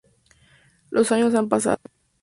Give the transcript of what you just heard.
Los años han pasado.